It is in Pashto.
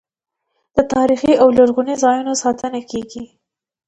د تاریخي او لرغونو ځایونو ساتنه کیږي.